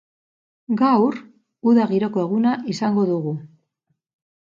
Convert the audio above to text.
Gaur, uda giroko eguna izango dugu.